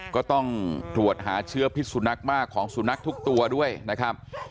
ก็ต้องตรวจหาเชื้อพิษสุนัขมากของสุนัขทุกตัวด้วยนะครับ